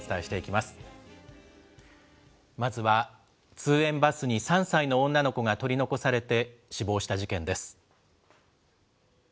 まずは通園バスに３歳の女の子が取り残されて死亡した事件です。